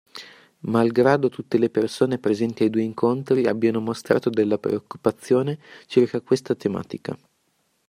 Mal grado tutte le persone presenti ai due incontri abbiano mostrato della preoccupazione circa questa tematica.